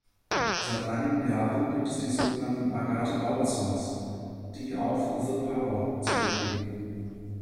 Seit einigen Jahren gibt es die sogenannten „Agathe-Bauer-Songs“, die auf "The Power" zurückgehen.